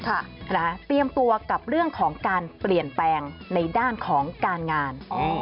เตรียมตัวกับเรื่องของการเปลี่ยนแปลงในด้านของการงาน